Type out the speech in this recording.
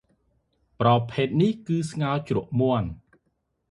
ប្រភេទនេះ គឺស្ងោជ្រក់មាន់ ។